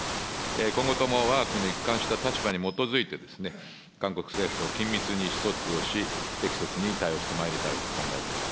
今後ともわが国の一貫した立場に基づいて、韓国政府と緊密に意思疎通をし、適切に対応してまいり